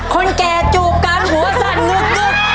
คุณแก่จูบกันหัวสั่นหนึ่ง